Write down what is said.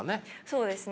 そうですね。